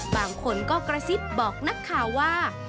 บางคนก็กระซิบบอกนักข่าวว่า